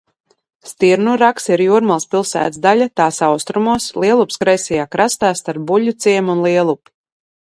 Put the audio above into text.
Stirnurags ir Jūrmalas pilsētas daļa tās austrumos, Lielupes kreisajā krastā starp Buļļuciemu un Lielupi.